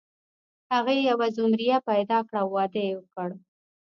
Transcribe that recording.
هغه یوه زمریه پیدا کړه او واده یې وکړ.